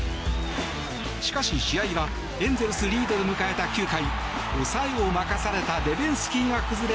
しかし試合はエンゼルスリードを迎えた９回抑えを任されたデベンスキーが崩れ